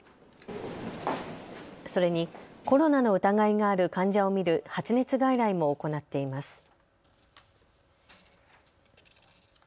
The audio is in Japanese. それにコロナの疑いがある患者を診る発熱外来も行っています。